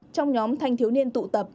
trong nhóm thanh thiếu niên tụ tập